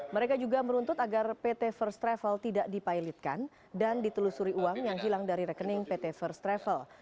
mereka juga meruntut agar pt first travel tidak dipilotkan dan ditelusuri uang yang hilang dari rekening pt first travel